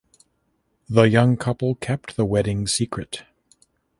The young couple kept the wedding secret.